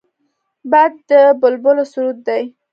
باد د بلبله سرود دی